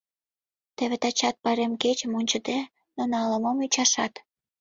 Теве тачат, пайрем кечым ончыде, нуно ала-мом ӱчашат.